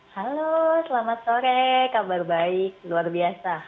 halo selamat sore kabar baik luar biasa